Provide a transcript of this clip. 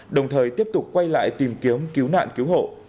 đồng thời tiếp tục quay lại tìm kiếm cứu nạn cứu hộ